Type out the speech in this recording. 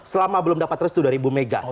selama belum dapat restu dari bu mega